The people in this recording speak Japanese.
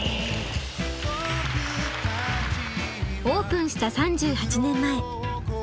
オープンした３８年前。